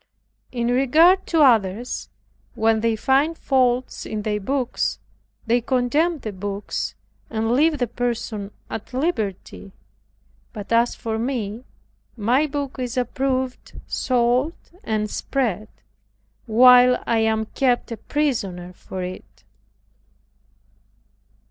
In regard to others, when they find faults in their books, they condemn the books and leave the person at liberty; but as for me, my book is approved, sold and spread, while I am kept a prisoner for it.